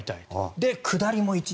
で、下りも１年。